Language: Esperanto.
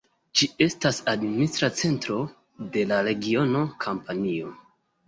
Ĝi estas administra centro de la regiono Kampanio.